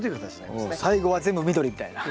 最後は全部緑みたいな。